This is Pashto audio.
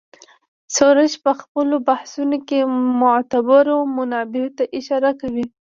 سروش په خپلو بحثونو کې معتبرو منابعو ته اشاره کوي.